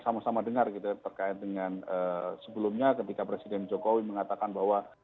sama sama dengar gitu ya terkait dengan sebelumnya ketika presiden jokowi mengatakan bahwa